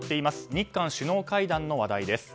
日韓首脳会談の話題です。